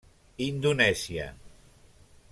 Indonèsia.